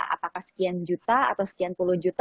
apakah sekian juta atau sekian puluh juta